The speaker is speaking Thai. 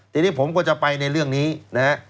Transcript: ทีนี้ผมก็จะไปในเรื่องนี้นะฮะ